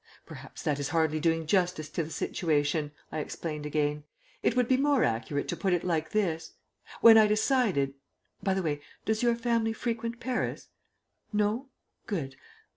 "Perhaps that is hardly doing justice to the situation," I explained again. "It would be more accurate to put it like this. When I decided by the way, does your family frequent Paris? No? Good.